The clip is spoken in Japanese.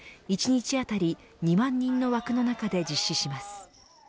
１日当たり２万人の枠の中で実施します。